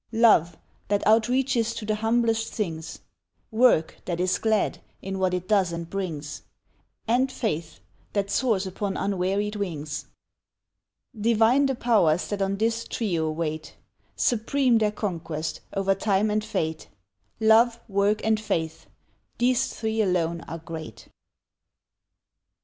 Love, that outreaches to the humblest things; Work that is glad, in what it does and brings; And faith that soars upon unwearied wings. Divine the Powers that on this trio wait. Supreme their conquest, over Time and Fate. Love, Work, and Faith—these three alone are great.